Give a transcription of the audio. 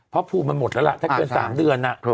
เพราะภูมิมันหมดแล้วล่ะถ้าเกิน๓เดือน